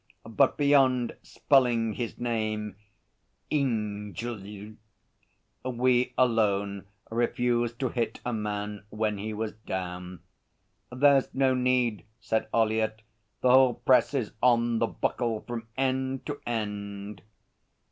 But beyond spelling his name 'Injle,' we alone refused to hit a man when he was down. 'There's no need,' said Ollyett. 'The whole press is on the huckle from end to end.'